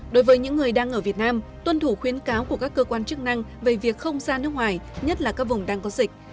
đối với những người đang ở việt nam tuân thủ khuyến cáo của các cơ quan chức năng về việc không ra nước ngoài nhất là các vùng đang có dịch